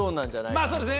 まあそうですね。